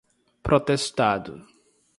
protestado